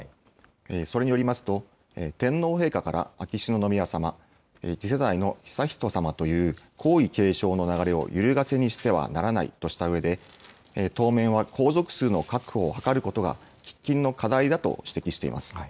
それによりますと、天皇陛下から、秋篠宮さま、次世代の悠仁さまという皇位継承の流れをゆるがせにしてはならないとしたうえで、当面は皇族数の確保を図ることが、喫緊の課題だと指摘しています。